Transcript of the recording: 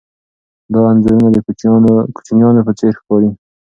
دا انځورونه د کوچنیانو په څېر ښکاري.